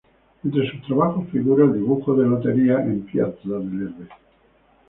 Entre sus trabajos figura el Dibujo de Lotería en Piazza del Erbe.